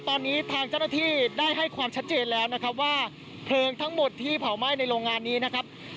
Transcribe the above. ตอนนี้ทางเจ้าหน้าที่ได้ให้ความชัดเจนแล้วนะครับว่าเพลิงทั้งหมดที่เผาไหม้ในโรงงานนี้นะครับ